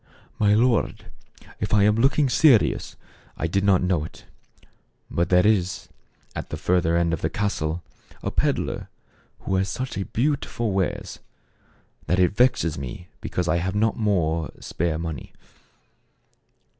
"My lord, if I am looking serious, I did not know it ; but there is, at the further end of the castle, a peddler who has such beautiful wares that it vexes me because I have not more spare money."